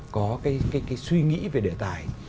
có suy nghĩ về địa tài